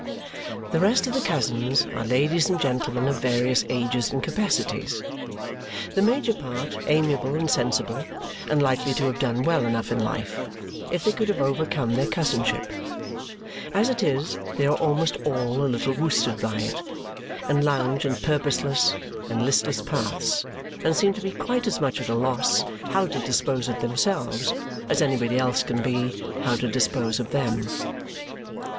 The rest of the cousins are ladies and gentlemen of various ages and capacities, the major part amiable and sensible and likely to have done well enough in life if they could have overcome their cousinship; as it is, they are almost all a little worsted by it, and lounge in purposeless and listless paths, and seem to be quite as much at a loss how to dispose of themselves as anybody else can be how to dispose of them.